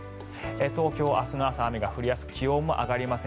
東京、明日の朝、雨が降りやすく気温も上がりません。